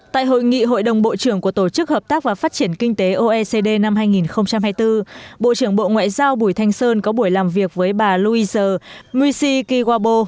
tại hội nghị hội đồng bộ trưởng của tổ chức hợp tác và phát triển kinh tế oecd năm hai nghìn hai mươi bốn bộ trưởng bộ ngoại giao bùi thanh sơn có buổi làm việc với bà louis muisi kiwabo